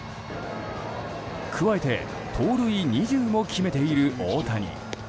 加えて盗塁２０も決めている、大谷。